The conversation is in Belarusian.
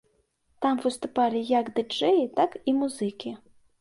Там выступалі як ды-джэі, так і музыкі.